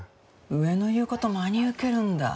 上の言う事真に受けるんだ。